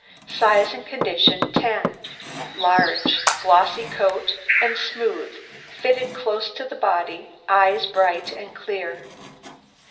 SIZE AND CONDITION 10 Large; coat glossy and smooth, fitting close to the body; eyes bright and clear.